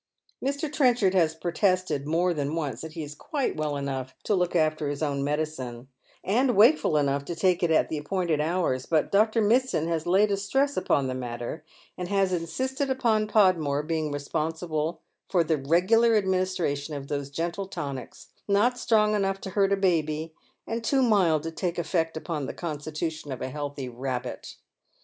Mr. Trenchard has protested more than once that he is quite well enough to look after his own medicine, and wakeful enough to take it at the appointed hours ; but Dr. Mitsand has laid a stress upon the matter, and has insisted upon Podmore being responsible for the regular administration of those gentle tonics, not strong enough to hurt a baby and too mild to take effect upon the constitution of a healthy rabbit.